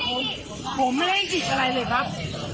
ผมไม่ได้กิดอะไรเลยครับ